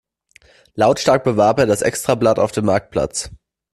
Lautstark bewarb er das Extrablatt auf dem Marktplatz.